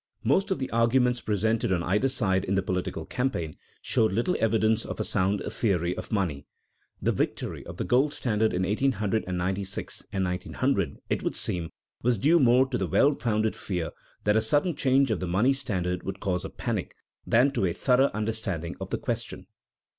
Most of the arguments presented on either side in the political campaigns showed little evidence of a sound theory of money. The victory of the gold standard in 1896 and 1900, it would seem, was due more to the well founded fear that a sudden change of the money standard would cause a panic, than to a thorough understanding of the question.